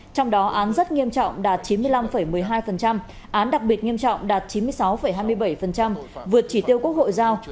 trong đó án rất nghiêm trọng đạt chín mươi năm một mươi hai án đặc biệt nghiêm trọng đạt chín mươi sáu hai mươi bảy vượt chỉ tiêu quốc hội giao